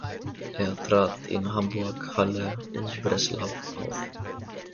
Er trat in Hamburg, Halle und Breslau auf.